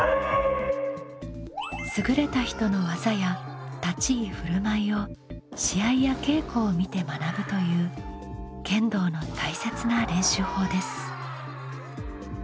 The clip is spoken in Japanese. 優れた人の技や立ち居振る舞いを試合や稽古を見て学ぶという剣道の大切な練習法です。